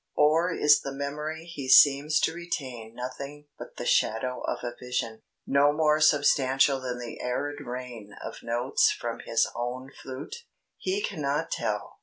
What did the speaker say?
Or is the memory he seems to retain nothing but the shadow of a vision, no more substantial than the 'arid rain' of notes from his own flute? He cannot tell.